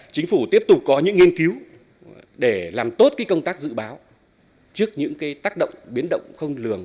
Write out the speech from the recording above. chính phủ tiếp tục có những nghiên cứu để làm tốt công tác dự báo trước những tác động biến động không lường